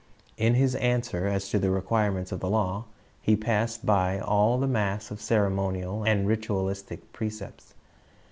In his answer as to the requirements of the law, he passed by all the mass of ceremonial and ritualistic precepts.